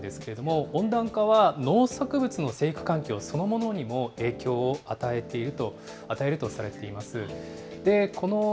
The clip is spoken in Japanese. ちょっとご覧いただきたいものがあるんですけれども、温暖化は農作物の生育環境そのものにも影響を与えるとされています。